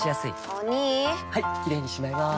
お兄はいキレイにしまいます！